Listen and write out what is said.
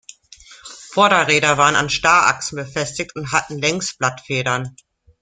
Vorderräder waren an Starrachsen befestigt und hatten Längsblattfedern.